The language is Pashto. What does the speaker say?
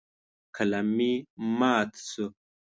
قلم مې مات شو.